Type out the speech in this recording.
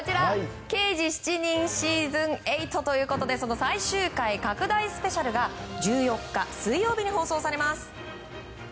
「刑事７人シーズン８」ということで最終回拡大スペシャルが１４日、水曜日に放送されます。